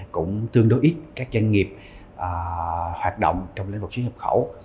cũng tương đối ít các doanh nghiệp hoạt động trong lĩnh vực chuyển hợp khẩu